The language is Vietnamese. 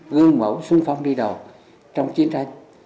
gương mẫu xung phong đi đầu trong chiến tranh